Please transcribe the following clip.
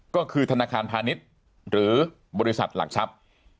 ก็คือธนาคารพาณิชย์หรือบริษัทหลักทรัพย์